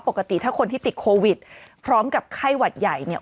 ปกติถ้าคนที่ติดโควิดพร้อมกับไข้หวัดใหญ่เนี่ย